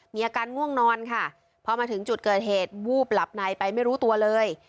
มีอาการง่วงนอนค่ะพอมาถึงจุดเกิดเหตุวูบหลับในไปไม่รู้ตัวเลย